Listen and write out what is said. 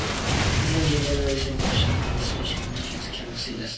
This engine did not receive a special model designation to indicate its cabless status.